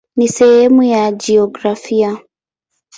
Ni sehemu ya jiografia.